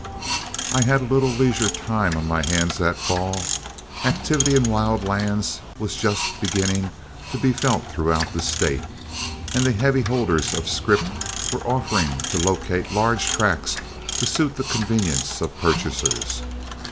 I had a little leisure time on my hands that fall. Activity in wild lands was just beginning to be felt throughout the State, and the heavy holders of scrip were offering to locate large tracts to suit the convenience of purchasers.